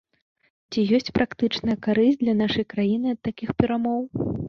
Ці ёсць практычная карысць для нашай краіны ад такіх перамоў?